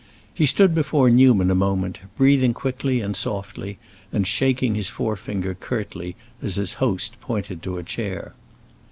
He stood before Newman a moment, breathing quickly and softly, and shaking his forefinger curtly as his host pointed to a chair.